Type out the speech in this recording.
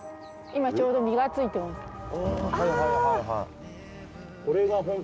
今ちょうど実がついてます。